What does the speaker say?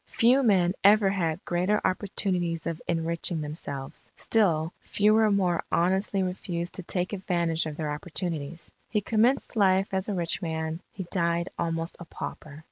Few men ever had greater opportunities of enriching themselves; still fewer more honestly refused to take advantage of their opportunities. He commenced life as a rich man, he died almost a pauper....